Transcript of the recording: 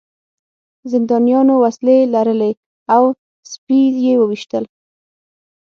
زندانیانو وسلې لرلې او سپي یې وویشتل